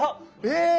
え！